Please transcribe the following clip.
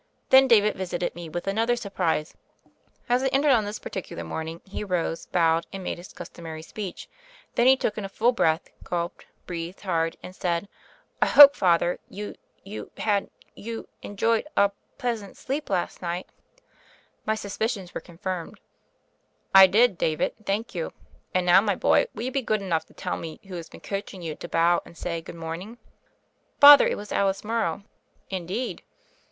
Then David visited me with another surprise. As I entered on this particular morning, he arose, bowed, and made his customary speech; then he took in a full breath, gulped, breathed hard, and said: "I hope. Father, you — ^you — had — ^you en joyed — a pleasant — sleep last night." My suspicions were confirmed. "I did, David, thank you. And now, my boy, will you be good enough to tell me who has been coaching you to bow and say *Good morning' ?" "Father, it was Alice Morrow." "Indeed